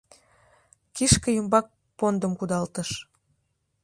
Кишке ӱмбак пондым кудалтыш.